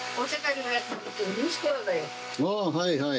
あはいはい。